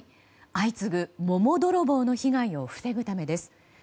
相次ぐ桃泥棒の被害を防ぐためです。